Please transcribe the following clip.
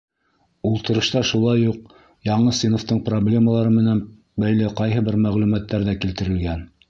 Ултырышта шулай уҡ яңы синыфтың проблемалары менән бәйле ҡайһы бер мәғлүмәттәр ҙә килтерелгән.